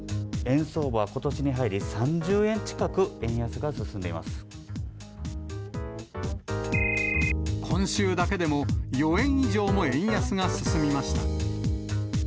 円相場はことしに入り、今週だけでも、４円以上も円安が進みました。